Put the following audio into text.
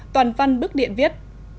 toàn văn bức điện viết